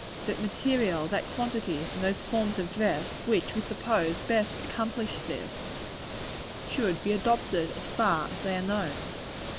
That material, that quantity, and those forms of dress, which we suppose best accomplish this, should be adopted as fast as they are known.